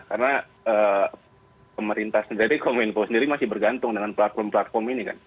karena pemerintah sendiri kominfo sendiri masih bergantung dengan platform platform ini kan